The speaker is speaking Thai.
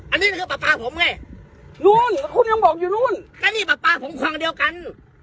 อันนี้คือปลาปลาผมไงนู้นคุณยังบอกอยู่นู้นก็นี่ปลาปลาผมคลองเดียวกัน